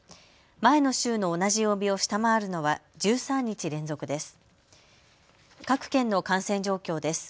前の週の同じ曜日を下回るのは１３日連続です。